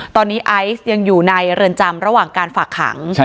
ตอนนี้ไอซ์ยังอยู่ในเรือนจำระหว่างการฝากขัง